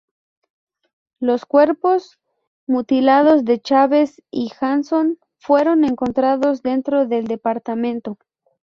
Los cuerpos mutilados de Chavez y Hanson fueron encontrados dentro del departamento.